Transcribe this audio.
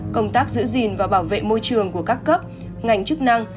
công tác giữ gìn và bảo vệ môi trường của các cấp ngành chức năng